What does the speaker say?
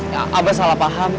ya abah salah paham